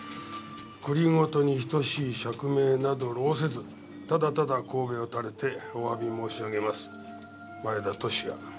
「繰り言に等しい釈明など労せずただただ首を垂れてお詫び申し上げます」「前田利也」